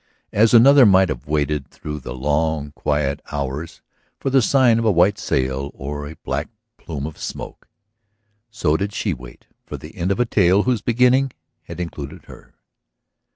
As another might have waited through the long, quiet hours for the sign of a white sail or a black plume of smoke, so did she wait for the end of a tale whose beginning had included her.